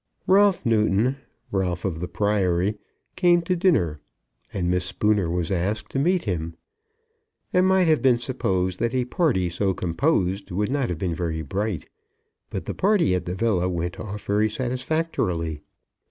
Ralph Newton, Ralph of the Priory, came to dinner, and Miss Spooner was asked to meet him. It might have been supposed that a party so composed would not have been very bright, but the party at the villa went off very satisfactorily.